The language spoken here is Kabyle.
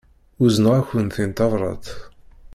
Uzneɣ-akent-in tabrat.